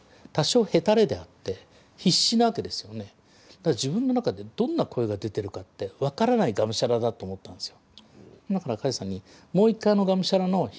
だから自分の中でどんな声が出てるかって分からないがむしゃらだと思ったんですよ。